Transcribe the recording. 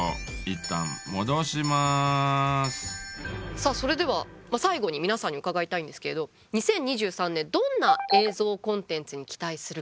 さあそれでは最後に皆さんに伺いたいんですけれど２０２３年どんな映像コンテンツに期待するか。